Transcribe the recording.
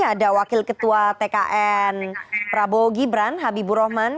ada wakil ketua tkn prabowo gibran habibur rahman